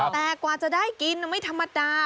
แต่กว่าจะได้กินไม่ธรรมดา